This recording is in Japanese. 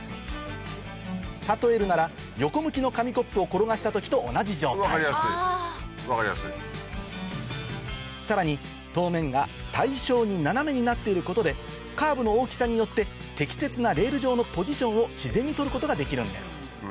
例えるなら横向きの紙コップを転がした時と同じ状態さらに踏面が対称に斜めになっていることでカーブの大きさによって適切なレール上のポジションを自然に取ることができるんです